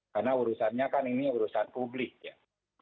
karena urusannya kan ini urusan terbarukan